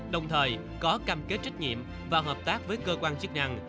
đồng thời có cam kết trách nhiệm và hợp tác với cơ quan chức năng